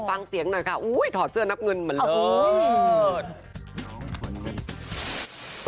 ฟังเสียงหน่อยค่ะอุ้ยถอดเสื้อนับเงินเหมือนเลิศ